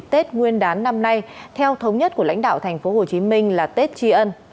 tết nguyên đán năm nay theo thống nhất của lãnh đạo tp hcm là tết tri ân